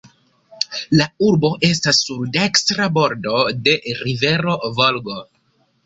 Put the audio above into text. La urbo estas sur dekstra bordo de rivero Volgo.